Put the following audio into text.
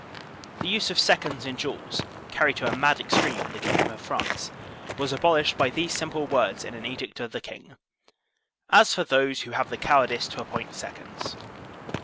The use of seconds CIVIL RELIGION 115 in duels, carried to a mad extreme in the kingdom of Prance, was abolished by these simple words in an edict of the king: *As for those who have the cowardice to appoint seconds.